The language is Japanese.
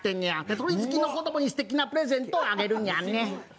鳥好きの子供にすてきなプレゼントあげるんやね。